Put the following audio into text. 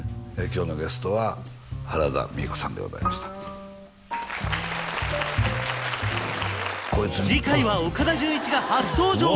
今日のゲストは原田美枝子さんでございました次回は岡田准一が初登場！